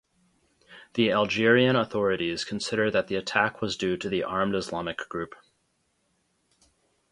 The Algerian authorities consider that the attack was due to the Armed Islamic Group.